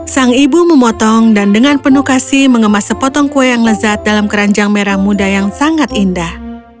sang ibu memotong dan dengan penuh kasih mengemas sepotong kue yang lezat dalam keranjang merah muda yang sangat indah